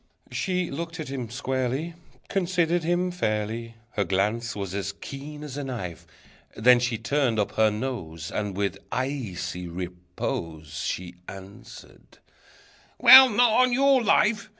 She looked at him squarely, Considered him fairly, Her glance was as keen as a knife, Then she turned up her nose, And, with icy repose, She answered: "Well, not on your life!